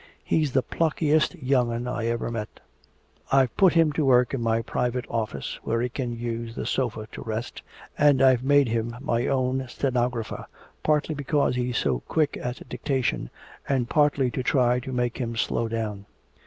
"He's the pluckiest young un I ever met. I've put him to work in my private office, where he can use the sofa to rest, and I've made him my own stenographer partly because he's so quick at dictation and partly to try to make him slow down.